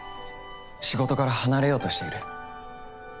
仕事から離れようとしている。